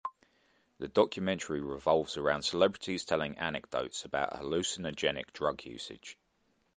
The documentary revolves around celebrities telling anecdotes about hallucinogenic drug usage.